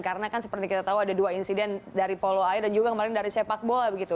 karena kan seperti kita tahu ada dua insiden dari polo air dan juga kemarin dari sepak bola begitu